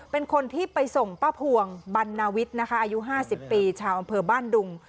เป็นคนที่ไปส่งป้าพวงบรรณวิทย์นะคะอายุ๕๐ปีชาวอำเภอบ้านดุง